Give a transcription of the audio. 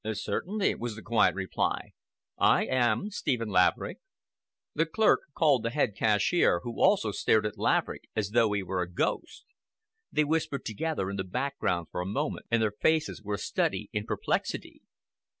"Certainly," was the quiet reply. "I am Stephen Laverick." The clerk called the head cashier, who also stared at Laverick as though he were a ghost. They whispered together in the background for a moment, and their faces were a study in perplexity.